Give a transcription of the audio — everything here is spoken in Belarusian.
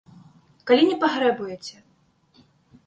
— Калі не пагрэбуеце…